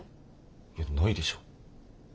いやないでしょ。